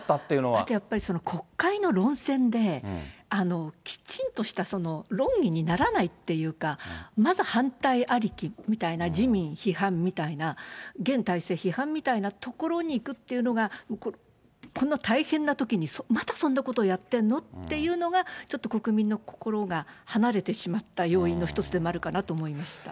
あとやっぱり、国会の論戦で、きちんとした論議にならないっていうか、まず反対ありきみたいな、自民批判みたいな、現体制批判みたいなところに行くっていうのが、この大変なときに、まだそんなことをやってんのっていうところがちょっと国民の心が離れてしまった要因の一つでもあるかなと思いました。